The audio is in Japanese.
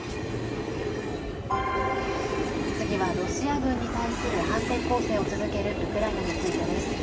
次はロシア軍に対する反転攻勢を続けるウクライナについてです。